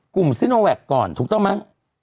ซิโนแวคก่อนถูกต้องไหม